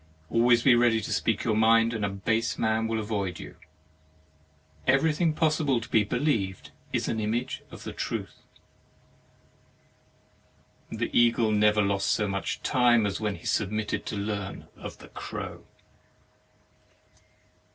Always be ready to speak your mind, and a base man will avoid you. Everything possible to be believed is an image of truth. The eagle never lost so much time z6 HEAVEN AND HELL as when he submitted to learn of the crow.